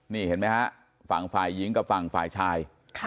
นี่เห็นไหมฝ่ายหญิงกับฝ่ายชาย